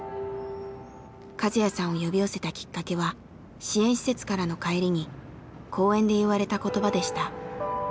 和哉さんを呼び寄せたきっかけは支援施設からの帰りに公園で言われた言葉でした。